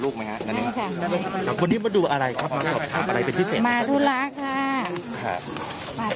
คุณแม่มีมีมีอะไรจะพูดกับลูกไหมฮะค่ะคุณที่มาดูอะไรครับ